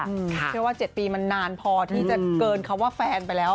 เชื่อว่า๗ปีมันนานพอที่จะเกินคำว่าแฟนไปแล้ว